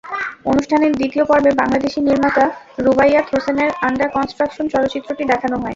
অনুষ্ঠানে দ্বিতীয় পর্বে বাংলাদেশি নির্মাতা রুবাইয়াত হোসেনের আন্ডার কনস্ট্রাকশন চলচ্চিত্রটি দেখানো হয়।